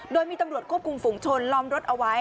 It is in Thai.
โดยมีตำรวจควบคุมฝุงชนล้อมรถเอาไว้